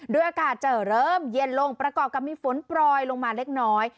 อากาศจะเริ่มเย็นลงประกอบกับมีฝนปล่อยลงมาเล็กน้อย